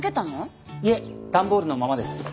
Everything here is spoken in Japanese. いえ段ボールのままです。